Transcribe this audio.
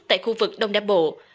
tại khu vực đông đa bộ